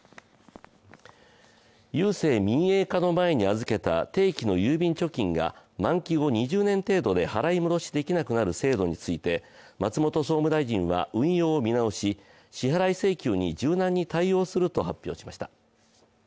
郵政民営化の前に預けた定期の郵便貯金が満期後２０年程度で払い戻しできなくなる制度について松本総務大臣は運用を見直し支払い請求に柔軟に対応すると発表しました。